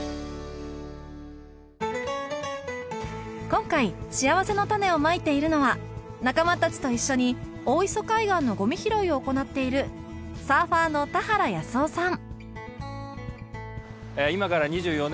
今回しあわせのたねをまいているのは仲間たちと一緒に大磯海岸のゴミ拾いを行っているサーファーの田原靖夫さん